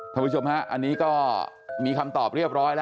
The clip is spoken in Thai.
คุณผู้ชมฮะอันนี้ก็มีคำตอบเรียบร้อยแล้ว